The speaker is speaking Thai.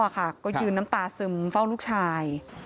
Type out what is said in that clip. ก็ยืนน้ำตาซึมเฝ้าลูกชาย